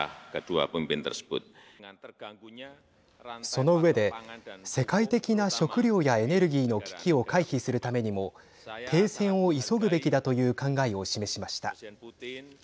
その上で世界的な食料やエネルギーの危機を回避するためにも停戦を急ぐべきだという考えを示しました。